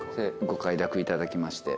ご快諾いただきまして。